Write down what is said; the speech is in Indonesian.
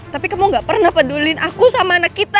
tapi kamu gak pernah peduli aku sama anak kita